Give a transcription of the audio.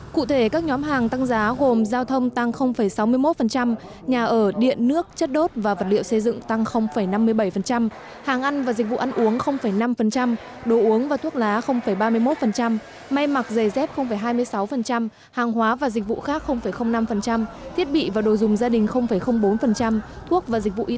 cụ thể các nhóm hàng tăng giá gồm giao thông tăng sáu mươi một nhà ở điện nước chất đốt và vật liệu xây dựng tăng năm mươi bảy hàng ăn và dịch vụ ăn uống năm đồ uống và thuốc lá ba mươi một may mặc dày dép hai mươi sáu hàng hóa và dịch vụ khác năm thiết bị và đồ dùng gia đình bốn thuốc và dịch vụ y tế một nhóm văn hóa giải trí và du lịch đạt chín mươi bảy